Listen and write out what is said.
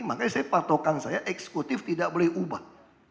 makanya patokan saya eksekutif tidak boleh ubah